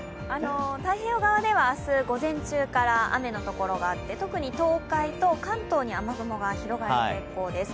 太平洋側では明日午前中から雨のところがあって、特に東海と関東に雨雲が広がる傾向です。